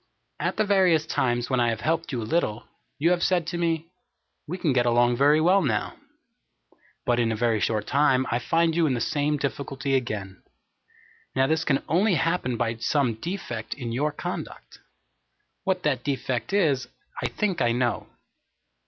At the various times when I have helped you a little, you have said to me, "We can get along very well now," but in a very short time I find you in the same difficulty again. Now this can only happen by some defect in your conduct. What that defect is, I think I know.